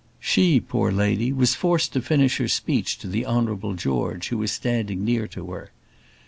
She, poor lady, was forced to finish her speech to the Honourable George, who was standing near to her.